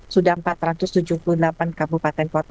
sudah empat ratus tujuh puluh delapan kabupaten kota